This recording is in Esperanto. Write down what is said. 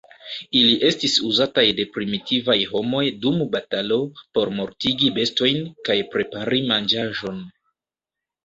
Ili estis uzataj de primitivaj homoj dum batalo, por mortigi bestojn, kaj prepari manĝaĵon.